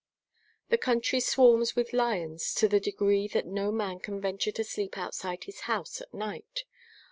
The country swarms with lions to that degree that no man can venture to sleep outside his house at night.